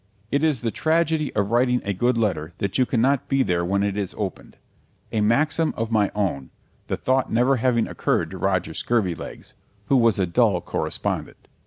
It is the tragedy of writing a good letter that you cannot be there when it is opened: a maxim of my own, the thought never having occurred to Roger Scurvilegs, who was a dull correspondent.